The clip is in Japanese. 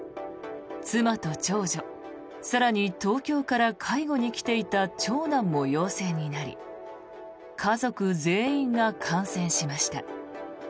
妻と長女、更に東京から介護に来ていた長男も陽性になり家族全員が感染しました。